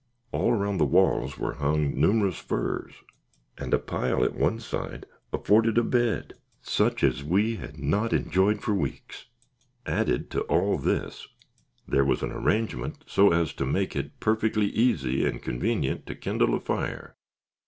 All around the walls were hung numerous furs, and a pile at one side afforded a bed such as we had not enjoyed for weeks. Added to all this, there was an arrangement so as to make it perfectly easy and convenient to kindle a fire.